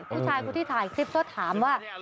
ผู้ชายคนที่ถ่ายคลิปก็ถามว่า